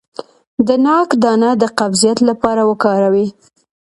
د ناک دانه د قبضیت لپاره وکاروئ